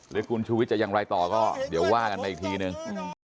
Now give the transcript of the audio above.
หรือคุณชูวิทย์จะอย่างไรต่อก็เดี๋ยวว่ากันไปอีกทีนึง